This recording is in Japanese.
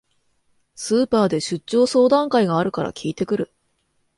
スーパーで出張相談会があるから聞いてくる